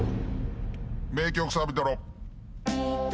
名曲サビトロ。